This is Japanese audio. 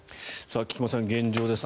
菊間さん、現状です。